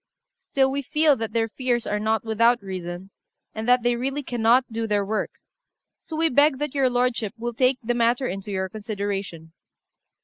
Still we feel that their fears are not without reason, and that they really cannot do their work; so we beg that your lordship will take the matter into your consideration."